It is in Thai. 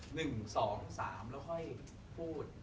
หนึ่งสองสามแล้วค่อยพูด